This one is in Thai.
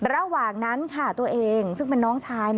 ระหว่างนั้นค่ะตัวเองซึ่งเป็นน้องชาย